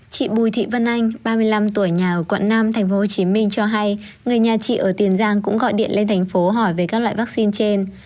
chị bùi thị vân anh ba mươi năm tuổi nhà ở quận năm tp hcm cho hay người nhà chị ở tiền giang cũng gọi điện lên thành phố hỏi về các loại vaccine trên